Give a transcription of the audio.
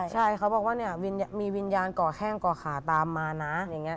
ใช่เค้าบอกว่ามีวิญญาณเกาะแห้งเกาะขาตามมานะ